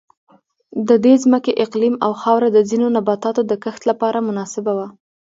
د دې ځمکې اقلیم او خاوره د ځینو نباتاتو د کښت لپاره مناسبه وه.